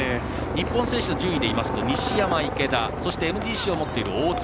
日本選手の順位で言いますと、西山、池田さらにＭＧＣを持っている大塚。